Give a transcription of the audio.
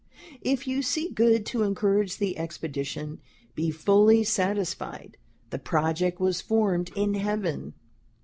If you see good to encourage the Expedition, be fully satisfy'd the project was formed in Heaven.